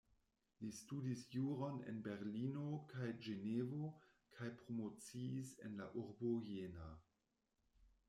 Li studis juron en Berlino kaj Ĝenevo kaj promociis en la urbo Jena.